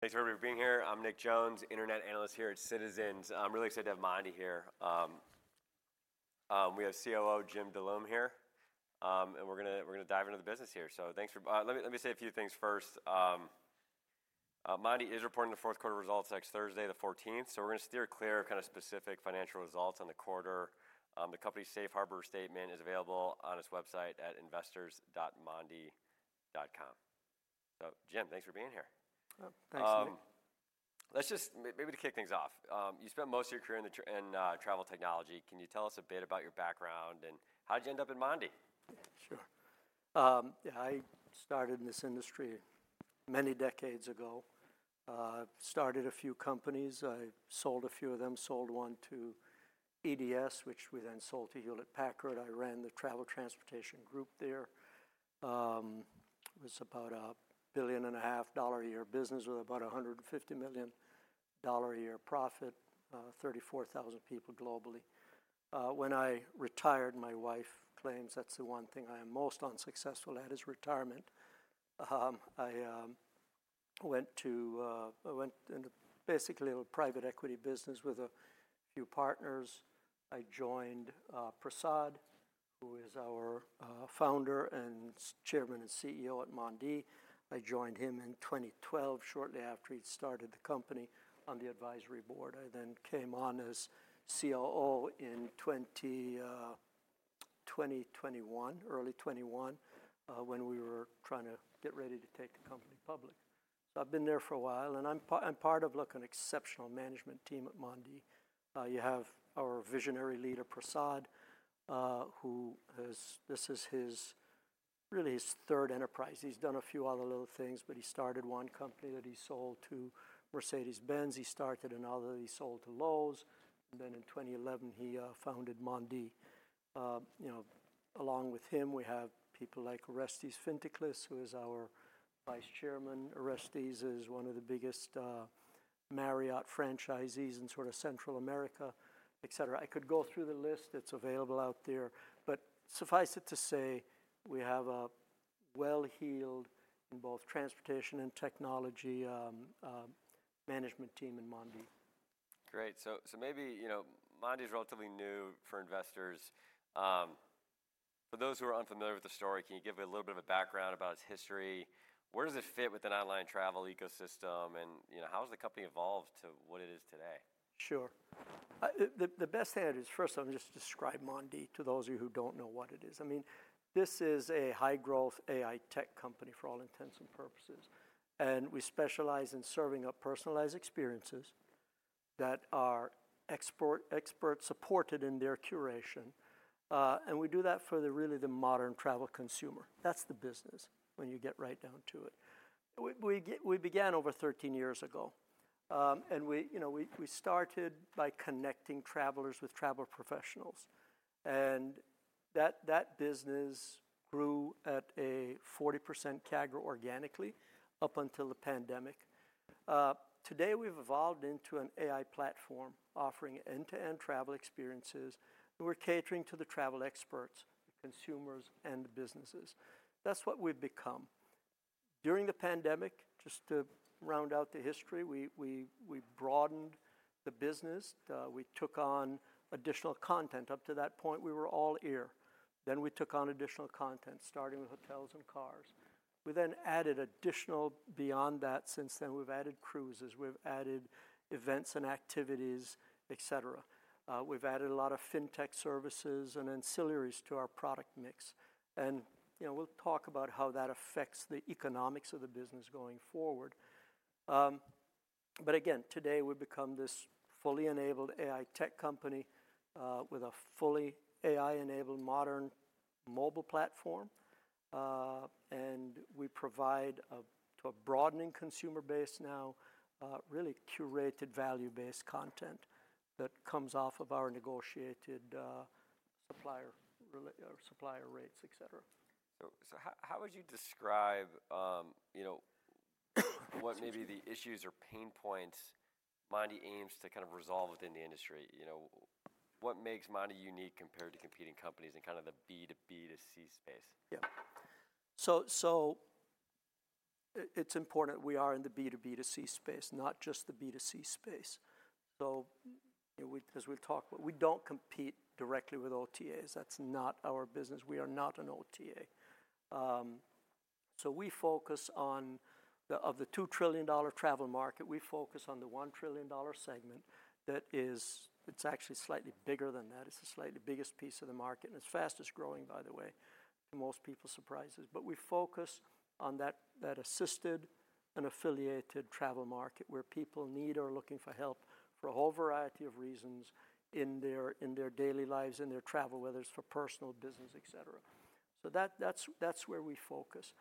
Thanks for everybody for being here. I'm Nick Jones, Internet Analyst here at Citizens. I'm really excited to have Mondee here. We have COO Jim Dullum here, and we're going to dive into the business here. So, thanks. Let me say a few things first. Mondee is reporting the fourth quarter results next Thursday, the 14th. So we're going to steer clear of kind of specific financial results on the quarter. The company's Safe Harbor statement is available on its website at investors.mondee.com. So Jim, thanks for being here. Thanks, Nick. Let's just, maybe to kick things off, you spent most of your career in travel technology. Can you tell us a bit about your background and how did you end up in Mondee? Sure. Yeah, I started in this industry many decades ago. Started a few companies. I sold a few of them. Sold one to EDS, which we then sold to Hewlett Packard. I ran the travel transportation group there. It was about a $1.5 billion a year business with about $150 million a year profit, 34,000 people globally. When I retired, my wife claims that's the one thing I am most unsuccessful at is retirement. I went into basically a little private equity business with a few partners. I joined Prasad, who is our founder and chairman and CEO at Mondee. I joined him in 2012, shortly after he'd started the company on the advisory board. I then came on as COO in 2021, early 2021, when we were trying to get ready to take the company public. So I've been there for a while, and I'm part of an exceptional management team at Mondee. You have our visionary leader, Prasad, who has—this is really his third enterprise. He's done a few other little things, but he started one company that he sold to Mercedes-Benz. He started another that he sold to Lowe's. And then in 2011, he founded Mondee. Along with him, we have people like Orestes Fintiklis, who is our Vice Chairman. Orestes is one of the biggest Marriott franchisees in sort of Central America, etc. I could go through the list. It's available out there. But suffice it to say, we have a well-heeled in both transportation and technology management team in Mondee. Great. So maybe Mondee is relatively new for investors. For those who are unfamiliar with the story, can you give a little bit of a background about its history? Where does it fit within online travel ecosystem? And how has the company evolved to what it is today? Sure. The best thing I could do is, first of all, just describe Mondee to those of you who don't know what it is. I mean, this is a high-growth AI tech company, for all intents and purposes. We specialize in serving up personalized experiences that are expert-supported in their curation. We do that for really the modern travel consumer. That's the business when you get right down to it. We began over 13 years ago, and we started by connecting travelers with travel professionals. That business grew at a 40% CAGR organically up until the pandemic. Today, we've evolved into an AI platform offering end-to-end travel experiences. We're catering to the travel experts, the consumers, and the businesses. That's what we've become. During the pandemic, just to round out the history, we broadened the business. We took on additional content. Up to that point, we were all air. Then we took on additional content, starting with hotels and cars. We then added additional beyond that. Since then, we've added cruises. We've added events and activities, etc. We've added a lot of Fintech services and ancillaries to our product mix. And we'll talk about how that affects the economics of the business going forward. But again, today, we've become this fully enabled AI tech company with a fully AI-enabled modern mobile platform. And we provide a broadening consumer base now, really curated value-based content that comes off of our negotiated supplier rates, etc. How would you describe what may be the issues or pain points Mondee aims to kind of resolve within the industry? What makes Mondee unique compared to competing companies in kind of the B2B2C space? Yeah. It's important we are in the B2B2C space, not just the B2C space. As we'll talk, we don't compete directly with OTAs. That's not our business. We are not an OTA. We focus on, of the $2 trillion travel market, we focus on the $1 trillion segment that is actually slightly bigger than that. It's the slightly biggest piece of the market and is fastest growing, by the way, to most people's surprises. But we focus on that assisted and affiliated travel market where people need or are looking for help for a whole variety of reasons in their daily lives, in their travel, whether it's for personal, business, etc. That's where we focus.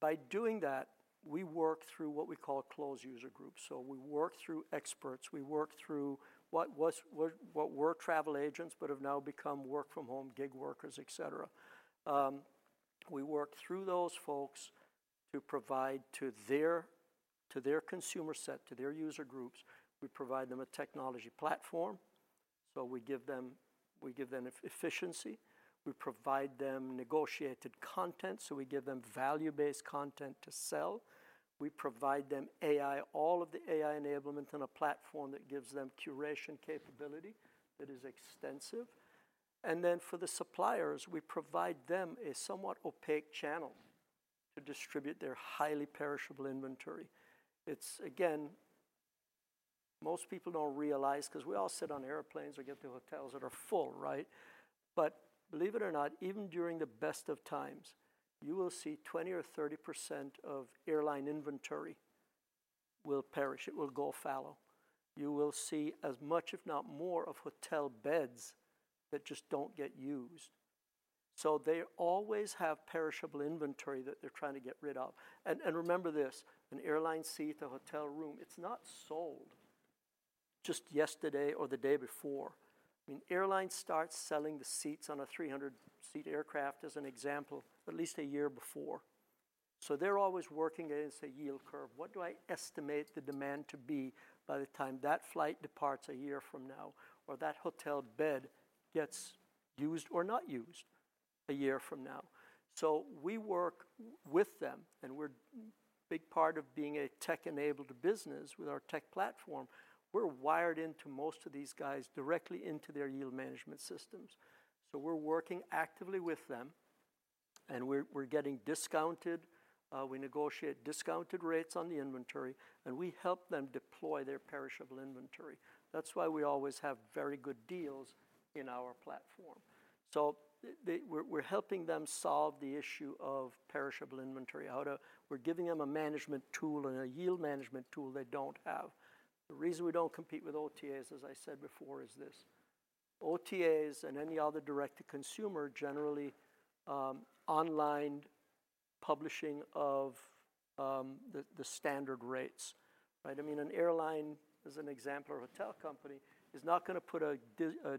By doing that, we work through what we call closed user groups. We work through experts. We work through what were travel agents but have now become work-from-home gig workers, etc. We work through those folks to provide to their consumer set, to their user groups. We provide them a technology platform. So we give them efficiency. We provide them negotiated content. So we give them value-based content to sell. We provide them all of the AI enablement in a platform that gives them curation capability that is extensive. And then for the suppliers, we provide them a somewhat opaque channel to distribute their highly perishable inventory. Again, most people don't realize because we all sit on airplanes or get to hotels that are full, right? But believe it or not, even during the best of times, you will see 20% or 30% of airline inventory will perish. It will go fallow. You will see as much, if not more, of hotel beds that just don't get used. So they always have perishable inventory that they're trying to get rid of. And remember this: an airline seat or hotel room, it's not sold just yesterday or the day before. I mean, airlines start selling the seats on a 300-seat aircraft, as an example, at least a year before. So they're always working against a yield curve. What do I estimate the demand to be by the time that flight departs a year from now or that hotel bed gets used or not used a year from now? So we work with them. And we're a big part of being a tech-enabled business with our tech platform. We're wired into most of these guys directly into their yield management systems. So we're working actively with them. And we're getting discounted. We negotiate discounted rates on the inventory. We help them deploy their perishable inventory. That's why we always have very good deals in our platform. We're helping them solve the issue of perishable inventory. We're giving them a management tool, and a yield management tool they don't have. The reason we don't compete with OTAs, as I said before, is this: OTAs and any other direct-to-consumer, generally online publishing of the standard rates, right? I mean, an airline, as an example, or hotel company is not going to put a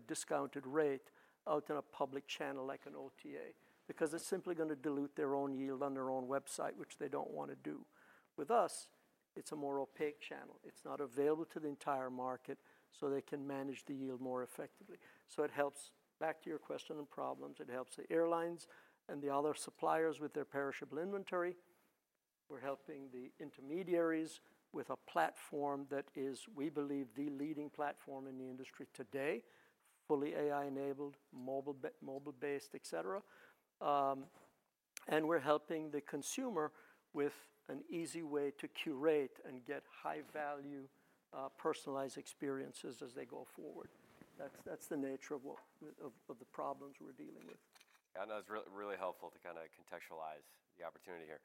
discounted rate out in a public channel like an OTA because it's simply going to dilute their own yield on their own website, which they don't want to do. With us, it's a more opaque channel. It's not available to the entire market so they can manage the yield more effectively. So it helps (back to your question and problems) it helps the airlines, and the other suppliers with their perishable inventory. We're helping the intermediaries with a platform that is, we believe, the leading platform in the industry today, fully AI-enabled, mobile-based, etc. And we're helping the consumer with an easy way to curate and get high-value personalized experiences as they go forward. That's the nature of the problems we're dealing with. Yeah, I know it's really helpful to kind of contextualize the opportunity here.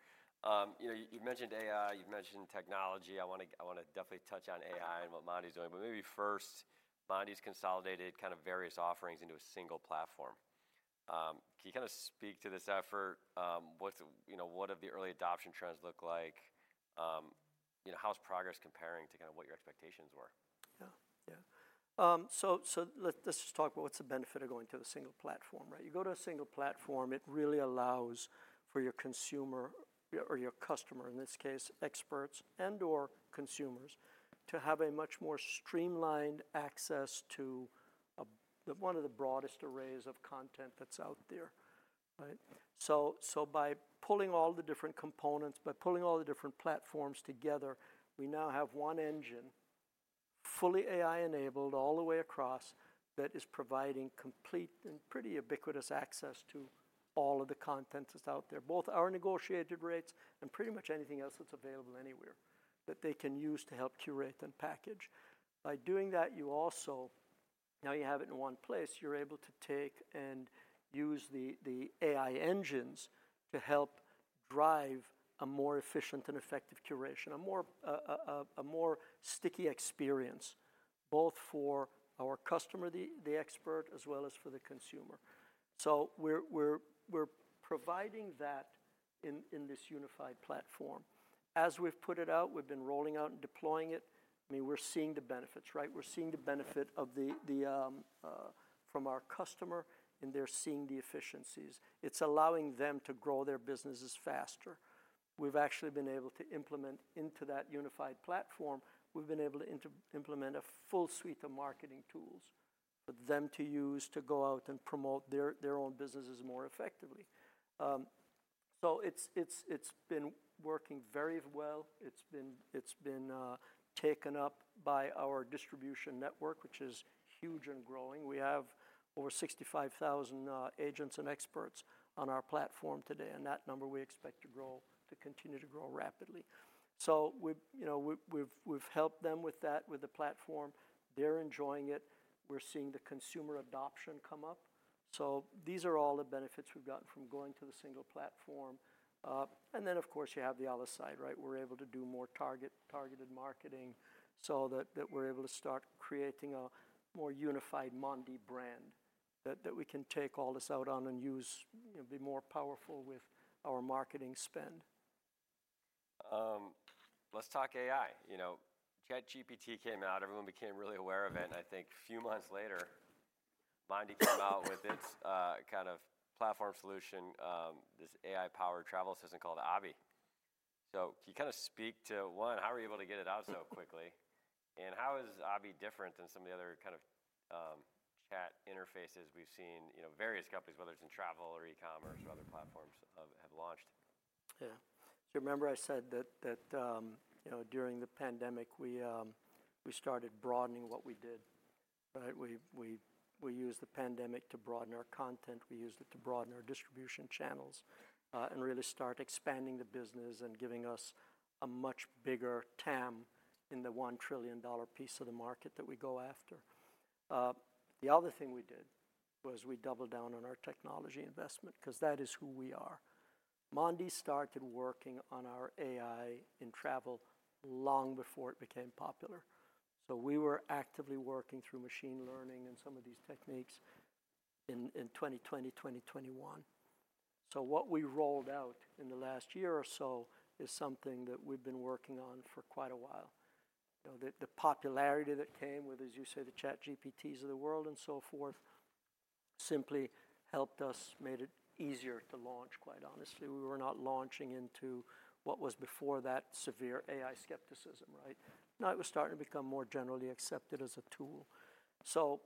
You've mentioned AI. You've mentioned technology. I want to definitely touch on AI and what Mondee is doing. But maybe first, Mondee's consolidated kind of various offerings into a single platform. Can you kind of speak to this effort? What have the early adoption trends looked like? How's progress comparing to kind of what your expectations were? Yeah. Yeah. Let's just talk about what's the benefit of going to a single platform, right? You go to a single platform. It really allows for your consumer or your customer, in this case, experts and/or consumers, to have a much more streamlined access to one of the broadest arrays of content that's out there, right? So by pulling all the different components, by pulling all the different platforms together, we now have one engine, fully AI-enabled all the way across, that is providing complete and pretty ubiquitous access to all of the content that's out there, both our negotiated rates and pretty much anything else that's available anywhere that they can use to help curate and package. By doing that, you also, now you have it in one place, you're able to take and use the AI engines to help drive a more efficient and effective curation, a more sticky experience, both for our customer, the expert, as well as for the consumer. So we're providing that in this unified platform. As we've put it out, we've been rolling out and deploying it. I mean, we're seeing the benefits, right? We're seeing the benefit from our customer, and they're seeing the efficiencies. It's allowing them to grow their businesses faster. We've actually been able to implement into that unified platform, we've been able to implement a full suite of marketing tools for them to use to go out and promote their own businesses more effectively. So it's been working very well. It's been taken up by our distribution network, which is huge and growing. We have over 65,000 agents and experts on our platform today. And that number, we expect to continue to grow rapidly. So we've helped them with that, with the platform. They're enjoying it. We're seeing the consumer adoption come up. So these are all the benefits we've gotten from going to the single platform. And then, of course, you have the other side, right? We're able to do more targeted marketing so that we're able to start creating a more unified Mondee brand that we can take all this out on and be more powerful with our marketing spend. Let's talk AI. ChatGPT came out. Everyone became really aware of it. I think a few months later, Mondee came out with its kind of platform solution, this AI-powered travel system called Abhi. So can you kind of speak to, one, how are you able to get it out so quickly? And how is Abhi different than some of the other kind of chat interfaces we've seen various companies, whether it's in travel or e-commerce or other platforms, have launched? Yeah. Do you remember I said that during the pandemic, we started broadening what we did, right? We used the pandemic to broaden our content. We used it to broaden our distribution channels and really start expanding the business and giving us a much bigger TAM in the $1 trillion piece of the market that we go after. The other thing we did was we doubled down on our technology investment because that is who we are. Mondee started working on our AI in travel long before it became popular. So we were actively working through machine learning and some of these techniques in 2020, 2021. So what we rolled out in the last year or so is something that we've been working on for quite a while. The popularity that came with, as you say, the ChatGPTs of the world and so forth simply helped us, made it easier to launch, quite honestly. We were not launching into what was before that severe AI skepticism, right? Now it was starting to become more generally accepted as a tool. So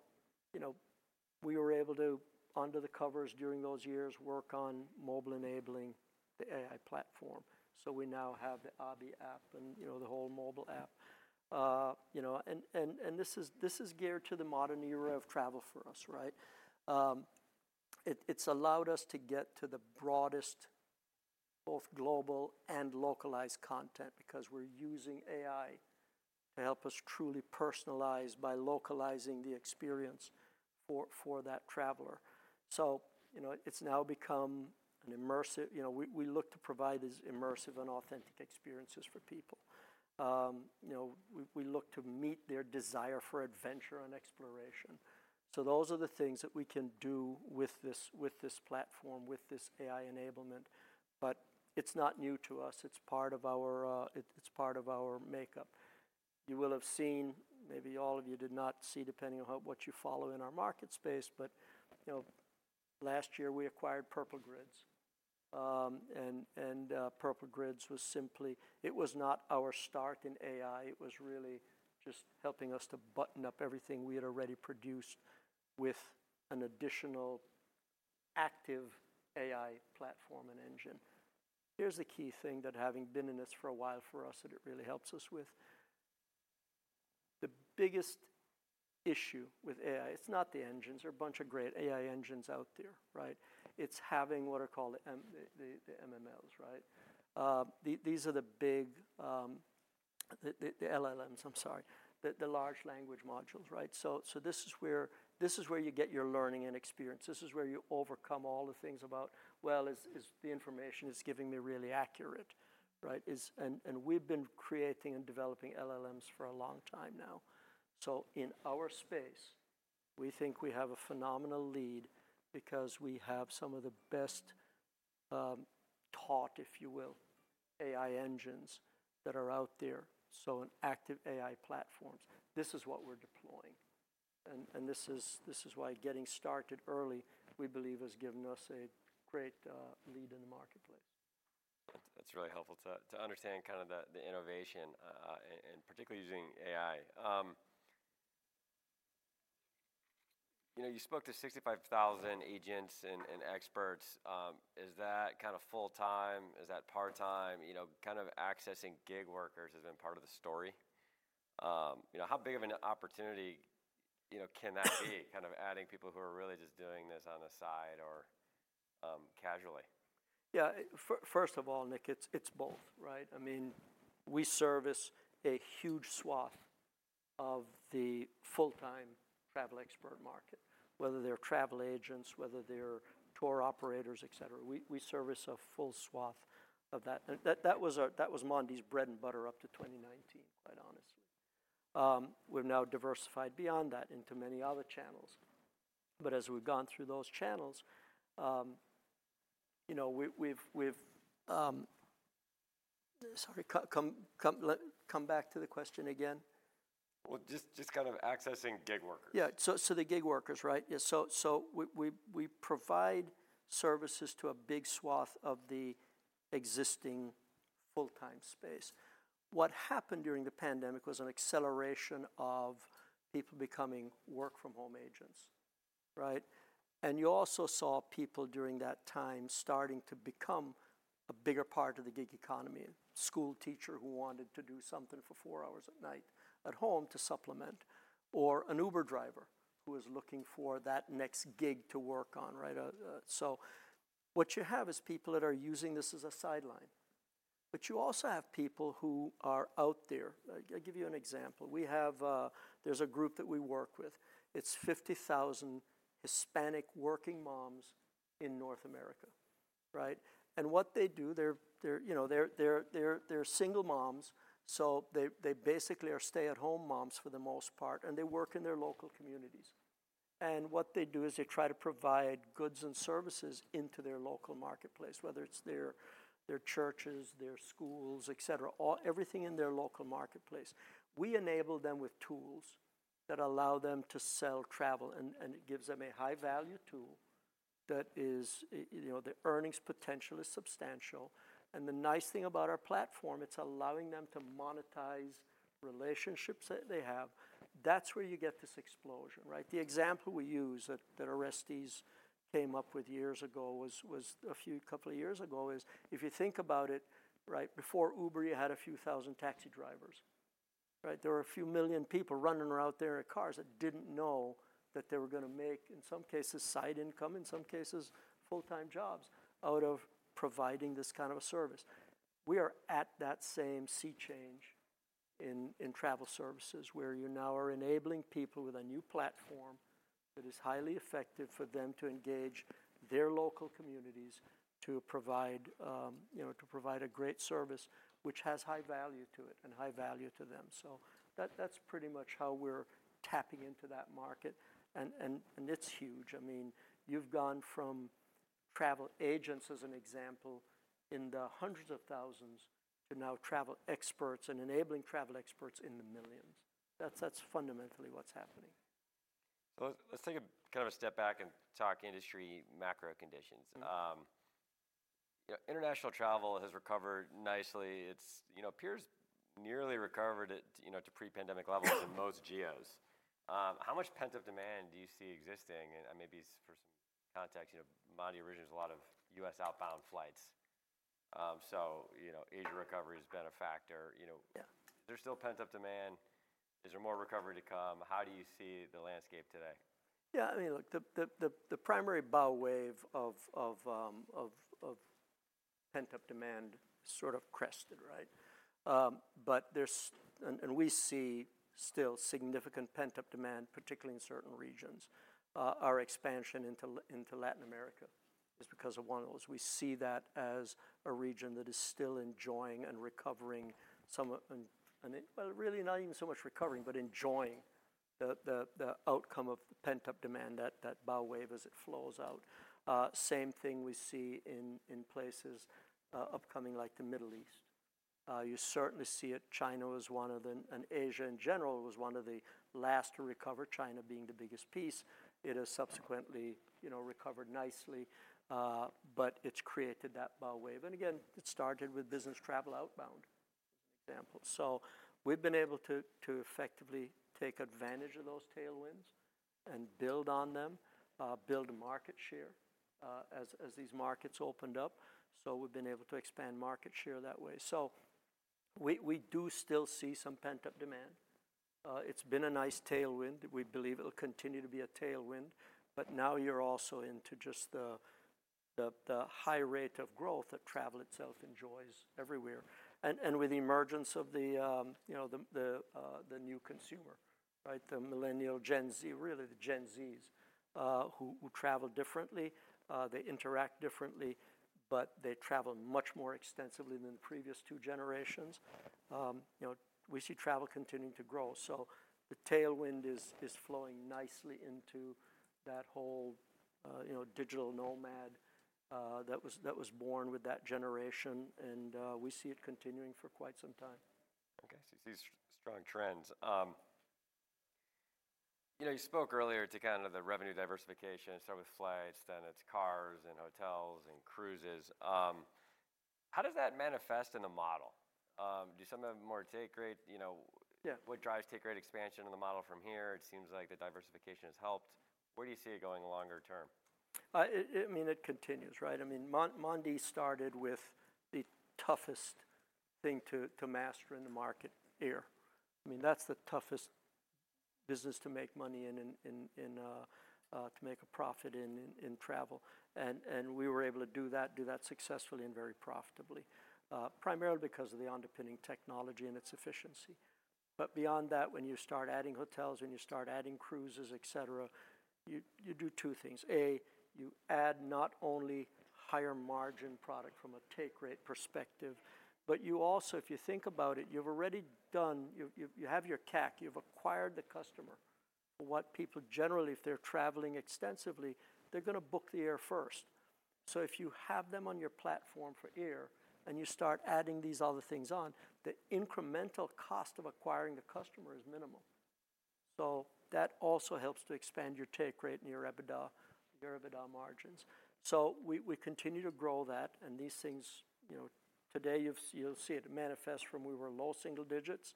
we were able to, under the covers during those years, work on mobile-enabling the AI platform. So we now have the Aavi app and the whole mobile app. And this is geared to the modern era of travel for us, right? It's allowed us to get to the broadest, both global and localized content because we're using AI to help us truly personalize by localizing the experience for that traveler. So it's now become an immersive, we look to provide these immersive and authentic experiences for people. We look to meet their desire for adventure and exploration. So those are the things that we can do with this platform, with this AI enablement. But it's not new to us. It's part of our makeup. You will have seen - maybe all of you did not see, depending on what you follow in our market space - but last year, we acquired Purple Grids. And Purple Grids was simply - it was not our start in AI. It was really just helping us to button up everything we had already produced with an additional active AI platform and engine. Here's the key thing that, having been in this for a while for us, it really helps us with: the biggest issue with AI - it's not the engines. There are a bunch of great AI engines out there, right? It's having what are called the LLMs, right? These are the big - the LLMs, I'm sorry - the large language models, right? So this is where you get your learning and experience. This is where you overcome all the things about, "Well, is the information giving me really accurate?" And we've been creating and developing LLMs for a long time now. So in our space, we think we have a phenomenal lead because we have some of the best taught, if you will, AI engines that are out there, so active AI platforms. This is what we're deploying. And this is why getting started early, we believe, has given us a great lead in the marketplace. That's really helpful to understand kind of the innovation, and particularly using AI. You spoke to 65,000 agents and experts. Is that kind of full-time? Is that part-time? Kind of accessing gig workers has been part of the story. How big of an opportunity can that be, kind of adding people who are really just doing this on the side or casually? Yeah. First of all, Nick, it's both, right? I mean, we service a huge swath of the full-time travel expert market, whether they're travel agents, whether they're tour operators, etc. We service a full swath of that. And that was Mondee's bread and butter up to 2019, quite honestly. We've now diversified beyond that into many other channels. But as we've gone through those channels, we've. Sorry, come back to the question again. Well, just kind of accessing gig workers. Yeah. So the gig workers, right? Yeah. So we provide services to a big swath of the existing full-time space. What happened during the pandemic was an acceleration of people becoming work-from-home agents, right? And you also saw people during that time starting to become a bigger part of the gig economy: a school teacher who wanted to do something for four hours at night at home to supplement, or an Uber driver who was looking for that next gig to work on, right? So what you have is people that are using this as a sideline. But you also have people who are out there. I'll give you an example. There's a group that we work with. It's 50,000 Hispanic working moms in North America, right? And what they do, they're single moms. So they basically are stay-at-home moms for the most part. They work in their local communities. What they do is they try to provide goods and services into their local marketplace, whether it's their churches, their schools, etc., everything in their local marketplace. We enable them with tools that allow them to sell travel. It gives them a high-value tool that is, the earnings potential is substantial. The nice thing about our platform, it's allowing them to monetize relationships that they have. That's where you get this explosion, right? The example we use that Orestes came up with years ago was a couple of years ago is, if you think about it, right, before Uber, you had a few thousand taxi drivers, right? There were a few million people running around there in cars that didn't know that they were going to make, in some cases, side income, in some cases, full-time jobs out of providing this kind of a service. We are at that same sea change in travel services where you now are enabling people with a new platform that is highly effective for them to engage their local communities to provide a great service, which has high value to it and high value to them. So that's pretty much how we're tapping into that market. And it's huge. I mean, you've gone from travel agents, as an example, in the hundreds of thousands to now travel experts and enabling travel experts in the millions. That's fundamentally what's happening. Let's take kind of a step back and talk industry macro conditions. International travel has recovered nicely. It appears nearly recovered to pre-pandemic levels in most geos. How much pent-up demand do you see existing? And maybe for some context, Mondee originally has a lot of U.S. outbound flights. So Asia recovery has been a factor. Is there still pent-up demand? Is there more recovery to come? How do you see the landscape today? Yeah. I mean, look, the primary bow wave of pent-up demand sort of crested, right? And we see still significant pent-up demand, particularly in certain regions. Our expansion into Latin America is because of one of those. We see that as a region that is still enjoying and recovering some, well, really, not even so much recovering, but enjoying the outcome of the pent-up demand, that bow wave as it flows out. Same thing we see in places upcoming like the Middle East. You certainly see it. China was one of the—and Asia in general was one of the last to recover, China being the biggest piece. It has subsequently recovered nicely. But it's created that bow wave. And again, it started with business travel outbound, as an example. So we've been able to effectively take advantage of those tailwinds and build on them, build market share as these markets opened up. So we've been able to expand market share that way. So we do still see some pent-up demand. It's been a nice tailwind. We believe it'll continue to be a tailwind. But now you're also into just the high rate of growth that travel itself enjoys everywhere. And with the emergence of the new consumer, right, the millennial, Gen Z, really the Gen Zs who travel differently. They interact differently. But they travel much more extensively than the previous two generations. We see travel continuing to grow. So the tailwind is flowing nicely into that whole digital nomad that was born with that generation. And we see it continuing for quite some time. Okay. You see strong trends. You spoke earlier to kind of the revenue diversification. It started with flights. Then it's cars and hotels and cruises. How does that manifest in the model? What drives take great expansion in the model from here? It seems like the diversification has helped. Where do you see it going longer term? I mean, it continues, right? I mean, Mondee started with the toughest thing to master in the market era. I mean, that's the toughest business to make money in, to make a profit in travel. And we were able to do that, do that successfully and very profitably, primarily because of the underpinning technology and its efficiency. But beyond that, when you start adding hotels, when you start adding cruises, etc., you do two things. A, you add not only higher margin product from a take rate perspective, but you also, if you think about it, you've already done, you have your CAC. You've acquired the customer. What people generally, if they're traveling extensively, they're going to book the air first. So if you have them on your platform for air and you start adding these other things on, the incremental cost of acquiring the customer is minimal. So that also helps to expand your take rate and your EBITDA, your EBITDA margins. So we continue to grow that. And these things, today, you'll see it manifest from we were low single digits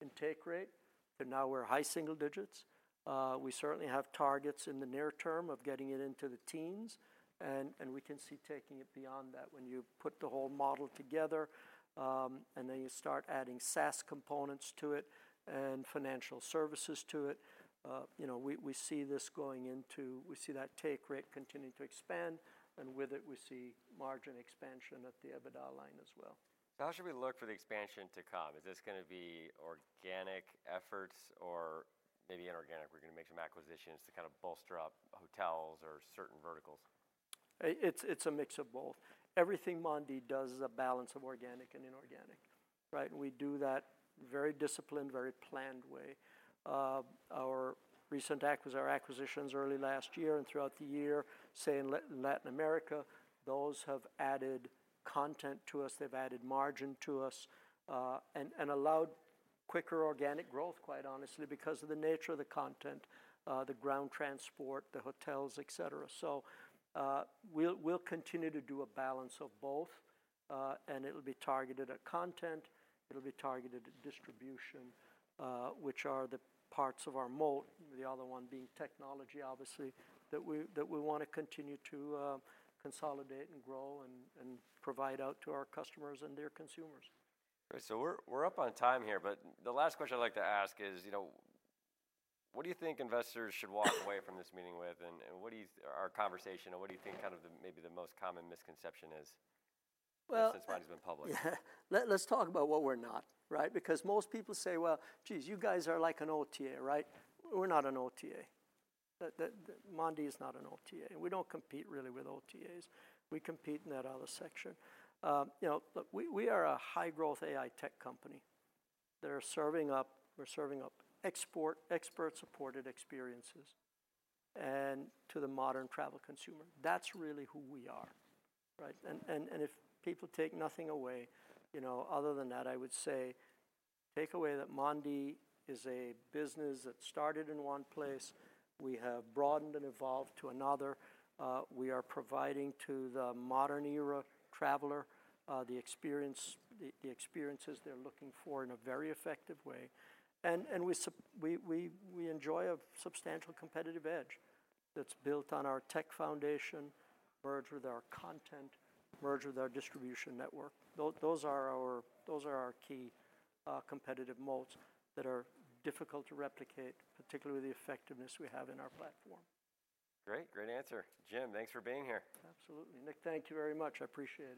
in take rate to now we're high single digits. We certainly have targets in the near term of getting it into the teens. And we can see taking it beyond that when you put the whole model together and then you start adding SaaS components to it and financial services to it. We see this going into—we see that take rate continuing to expand. And with it, we see margin expansion at the EBITDA line as well. How should we look for the expansion to come? Is this going to be organic efforts or maybe inorganic? We're going to make some acquisitions to kind of bolster up hotels or certain verticals? It's a mix of both. Everything Mondee does is a balance of organic and inorganic, right? And we do that very disciplined, very planned way. Our recent acts were our acquisitions early last year and throughout the year, say, in Latin America. Those have added content to us. They've added margin to us and allowed quicker organic growth, quite honestly, because of the nature of the content, the ground transport, the hotels, etc. So we'll continue to do a balance of both. And it'll be targeted at content. It'll be targeted at distribution, which are the parts of our moat, the other one being technology, obviously, that we want to continue to consolidate and grow and provide out to our customers and their consumers. All right. So we're up on time here. But the last question I'd like to ask is, what do you think investors should walk away from this meeting with? And what do you think our conversation, or what do you think kind of maybe the most common misconception is since Mondee's been public? Well, let's talk about what we're not, right? Because most people say, "Well, geez, you guys are like an OTA," right? We're not an OTA. Mondee is not an OTA. And we don't compete, really, with OTAs. We compete in that other section. Look, we are a high-growth AI tech company. We're serving up expert, expert-supported experiences to the modern travel consumer. That's really who we are, right? And if people take nothing away other than that, I would say take away that Mondee is a business that started in one place. We have broadened and evolved to another. We are providing to the modern-era traveler the experiences they're looking for in a very effective way. And we enjoy a substantial competitive edge that's built on our tech foundation, merged with our content, merged with our distribution network. Those are our key competitive moats that are difficult to replicate, particularly with the effectiveness we have in our platform. Great. Great answer. Jim, thanks for being here. Absolutely. Nick, thank you very much. I appreciate it.